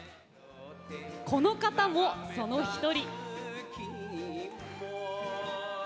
この方もその１人。